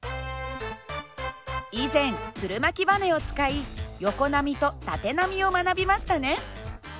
以前つるまきばねを使い横波と縦波を学びましたね。